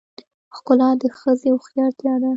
ښکلا د ښځې هوښیارتیا ده .